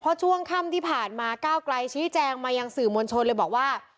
เพราะช่วงค่ำที่ผ่านมาก้าวไกลชี้แจงมายังสื่อมวลชนเลยบอกว่า